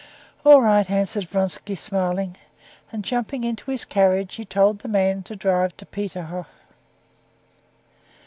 "All right," answered Vronsky, smiling; and jumping into his carriage, he told the man to drive to Peterhof.